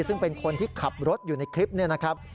ซึ่งเป็นคนที่ขับรถอยู่ในคลิปนี้นะครับ